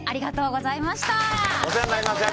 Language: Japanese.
お世話になりました。